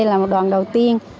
là một đoàn đầu tiên